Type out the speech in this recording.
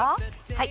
はい。